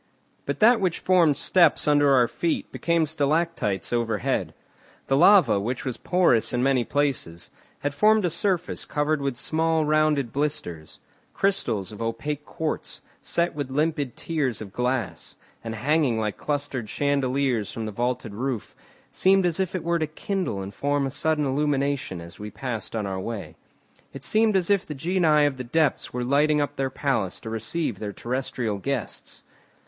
But that which formed steps under our feet became stalactites overhead. The lava, which was porous in many places, had formed a surface covered with small rounded blisters; crystals of opaque quartz, set with limpid tears of glass, and hanging like clustered chandeliers from the vaulted roof, seemed as it were to kindle and form a sudden illumination as we passed on our way. It seemed as if the genii of the depths were lighting up their palace to receive their terrestrial guests.